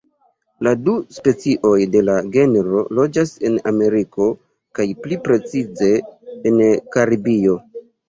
La du specioj de la genro loĝas en Ameriko kaj pli precize en Karibio.